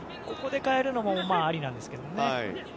ここで代えるのもありなんですが。